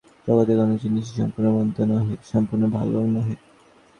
জগতের কোন জিনিষই সম্পূর্ণ মন্দ নহে, সম্পূর্ণ ভালও নহে।